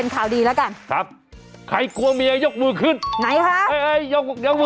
ใช้เมียได้ตลอด